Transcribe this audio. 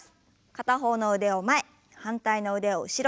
片方の腕を前反対の腕を後ろに。